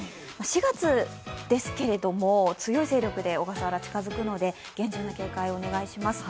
４月ですけれども、強い勢力で小笠原に近づくので厳重な警戒をお願いします。